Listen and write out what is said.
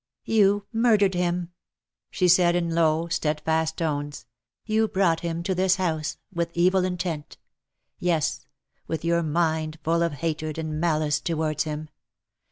^^ You murdered him/^ she said, in low, steadfast tones. " You brought him to this house with evil intent — yes, with your mind full of hatred and malice towards him.